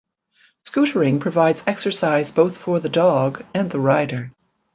Scootering provides exercise both for the dog and the rider.